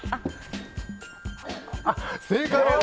正解です！